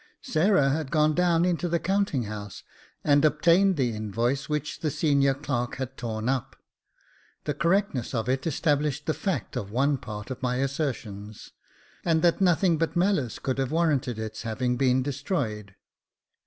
Sarah had gone down into the counting house, and obtained the invoice which the senior clerk had torn up. The correctness of it established the fact of one part of my assertions, and that nothing but malice could have warranted its having been destroyed.